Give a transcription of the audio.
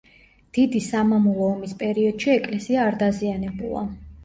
დიდი სამამულო ომის პერიოდში ეკლესია არ დაზიანებულა.